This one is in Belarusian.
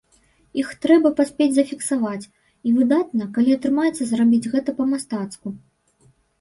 Іх трэба паспець зафіксаваць, і выдатна, калі атрымаецца зрабіць гэта па-мастацку.